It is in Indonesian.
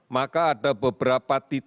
maka ada beberapa tindakan